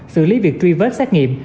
xử lý việc truy vết xét nghiệm